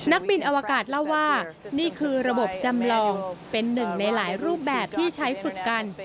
นักบินอวกาศเล่าว่านี่คือระบบจำลองเป็นหนึ่งในหลายรูปแบบที่ใช้ฝึกกัน